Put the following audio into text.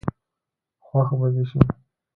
خوښ به دي شي.